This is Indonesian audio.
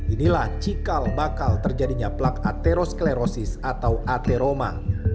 inilah cikal bakal terjadinya plak atherosklerosis atau ateroma